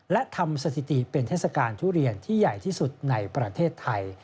และทำสถิติเป็นเทศกาลทุเรียนที่ใหญ่ที่สุดในประเทศไทย